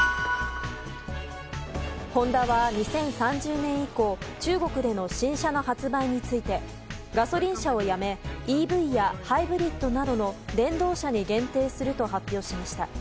ホンダは２０３０年以降中国での新車の発売についてガソリン車をやめＥＶやハイブリッドなどの電動車に限定すると発表しました。